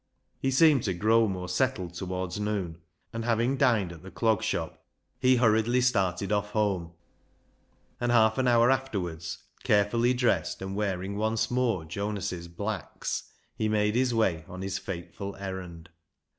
He seemed to grow more settled towards noon, and having dined at the Clog Shop, he hurriedly started off home, and half an hour afterwards, carefully dressed, and wearing once more Jonas's " blacks," he made his way on his fateful errand.